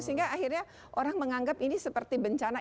sehingga akhirnya orang menganggap ini seperti bencana